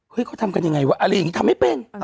เขาทำกันยังไงวะอะไรอย่างนี้ทำไม่เป็น